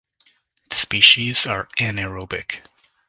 The species are anaerobic.